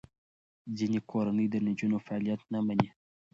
ځینې کورنۍ د نجونو فعالیت نه مني.